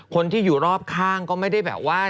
คนที่อยู่รอบข้างก็ไม่ได้แบบว่า